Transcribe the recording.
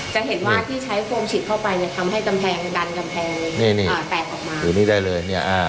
ใช้โฟมฉีดเข้าไปมันทำให้กำแพงที่ดันกำแพงตะออกมา